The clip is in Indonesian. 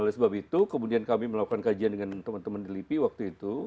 oleh sebab itu kemudian kami melakukan kajian dengan teman teman di lipi waktu itu